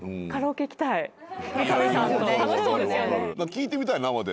聴いてみたい生で。